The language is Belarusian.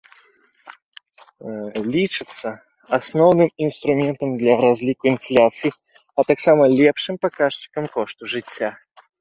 Лічыцца асноўным інструментам для разліку інфляцыі, а таксама лепшым паказчыкам кошту жыцця.